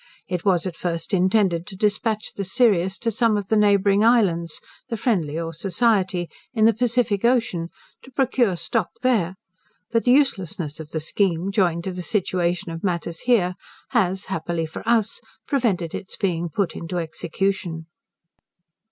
It was at first intended to dispatch the Sirius to some of the neighbouring islands (the Friendly or Society) in the Pacific Ocean, to procure stock there, but the uselessness of the scheme, joined to the situation of matters here, has, happily for us, prevented its being put into execution.